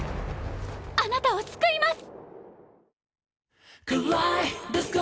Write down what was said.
あなたを救います！